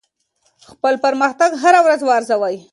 خپل پرمختګ هره ورځ وارزوئ.